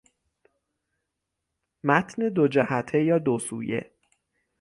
متن دو جهته یا دو سویه